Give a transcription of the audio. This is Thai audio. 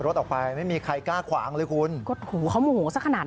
รถออกไปไม่มีใครกล้าขวางเลยคุณก็หูเขาโมโหสักขนาด